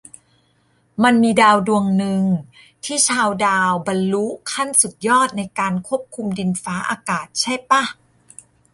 มันมีดาวดวงนึง ที่ชาวดาวบรรลุขั้นสุดยอดในการควบคุมดินฟ้าอากาศใช่ป่ะ ?